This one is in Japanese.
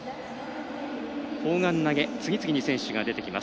次々に選手が出てきます。